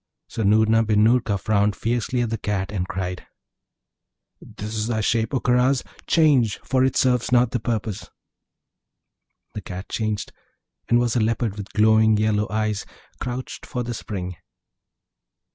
So Noorna bin Noorka frowned fiercely at the Cat, and cried, 'This is thy shape, O Karaz; change! for it serves not the purpose.' The Cat changed, and was a Leopard with glowing yellow eyes, crouched for the spring.